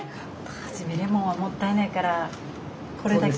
初めレモンはもったいないからこれだけ。